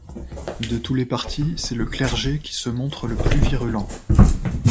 De tous les partis, c'est le clergé qui se montre le plus virulent.